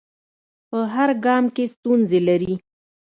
په هر ګام کې ستونزې لري.